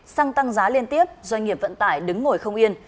xăng tăng giá liên tiếp doanh nghiệp vận tải đứng ngồi không yên